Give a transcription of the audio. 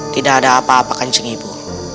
tidak ada apa apa kencing ibu